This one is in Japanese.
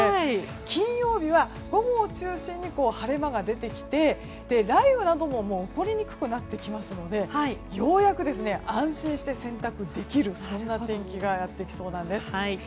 金曜日は午後を中心に晴れ間が出てきて雷雨なども起こりにくくなってきますのでようやく安心して洗濯できる天気がやってきそうなんです。